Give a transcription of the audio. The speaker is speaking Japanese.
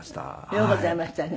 ようございましたよね。